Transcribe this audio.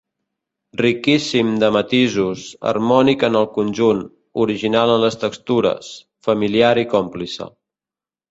Riquíssim de matisos, harmònic en el conjunt, original en les textures, familiar i còmplice.